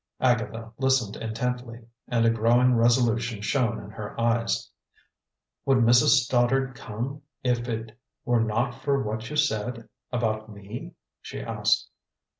Agatha listened intently, and a growing resolution shone in her eyes. "Would Mrs. Stoddard come, if it were not for what you said about me?" she asked.